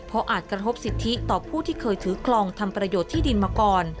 เพราะอาจกระทบสิทธิต่อผู้ที่เคยถือคลองทำประโยชน์ที่ดินมาก่อน